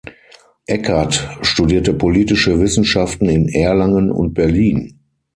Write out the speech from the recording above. Eckert studierte Politische Wissenschaften in Erlangen und Berlin.